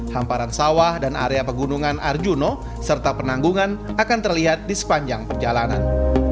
hamparan sawah dan area pegunungan arjuna serta penanggungan akan terlihat di sepanjang perjalanan